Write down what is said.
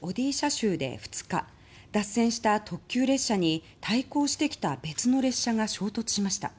州で２日脱線した特急列車に対向してきた別の列車が衝突しました。